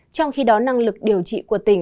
trong khi đó năng lực điều trị của tỉnh